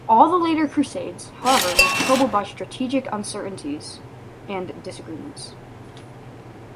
All the later Crusades, however, were troubled by strategic uncertainties and disagreements.